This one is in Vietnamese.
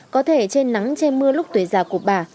có thể trên nắng che mưa lúc tuổi già của bà